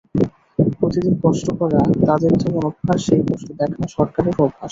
প্রতিদিন কষ্ট করা তাদেরও যেমন অভ্যাস, সেই কষ্ট দেখা সরকারেরও অভ্যাস।